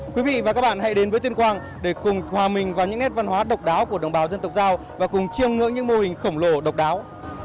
quý vị và các bạn hãy đến với tuyên quang để cùng hòa mình vào những nét văn hóa độc đáo của đồng bào dân tộc giao và cùng chiêm ngưỡng những mô hình khổng lồ độc đáo